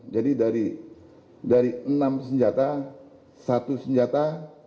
jadi dari enam senjata satu senjata